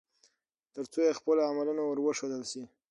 ترڅو يې خپل عملونه ور وښودل شي